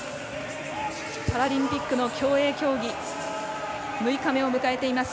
パラリンピックの競泳競技６日目を迎えています。